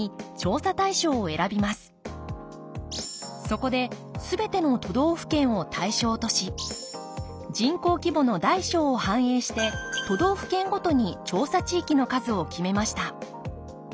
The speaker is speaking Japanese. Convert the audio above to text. そこで全ての都道府県を対象とし人口規模の大小を反映して都道府県ごとに調査地域の数を決めました。